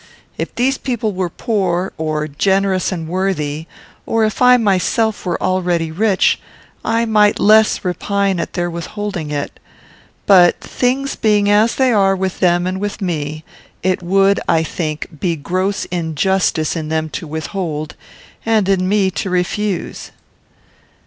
If these people were poor, or generous and worthy, or if I myself were already rich, I might less repine at their withholding it; but, things being as they are with them and with me, it would, I think, be gross injustice in them to withhold, and in me to refuse."